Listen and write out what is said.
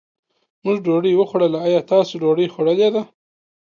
مونږ ډوډۍ وخوړله، ايا تاسو ډوډۍ خوړلې ده؟